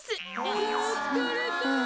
あつかれた。